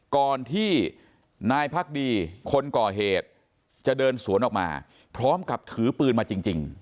ก่อนที่นายพักดีคนก่อเหตุจะเดินสวนออกมาพร้อมกับถือปืนมาจริง